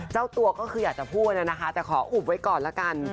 เจ้าตัวก็คืออยากจะพูดนะคะแต่ขออุบไว้ก่อนละกัน